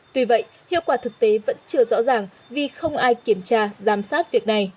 tuy vậy hiệu quả thực tế vẫn chưa rõ ràng vì không ai kiểm tra giám sát việc này